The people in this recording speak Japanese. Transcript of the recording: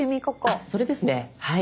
あっそれですねはい。